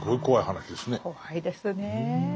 怖いですね。